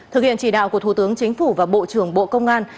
thực hiện chỉ đạo của thủ tướng chính phủ và bộ trưởng bộ công an